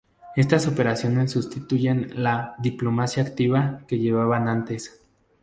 Estas operaciones sustituyen a la "diplomacia activa" que llevaban antes.